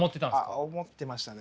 あっ思ってましたね。